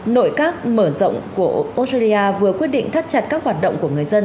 nội các mở rộng của australia vừa quyết định thắt chặt các hoạt động của người dân